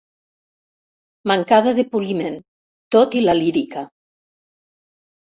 Mancada de poliment, tot i la lírica.